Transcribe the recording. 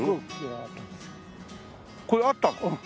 これあったの？